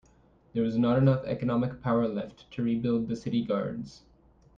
There was not enough economic power left to rebuild the city guards.